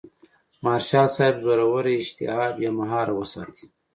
مارشال صاحب زوروره اشتها بې مهاره وساتي.